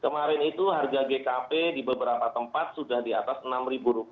kemarin itu harga gkp di beberapa tempat sudah di atas rp enam